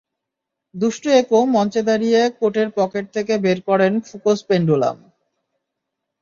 দুষ্টু একো মঞ্চে দাঁড়িয়ে কোটের পকেট থেকে বের করেন ফুকোস পেন্ডুলাম।